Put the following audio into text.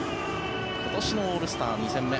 今年のオールスター２戦目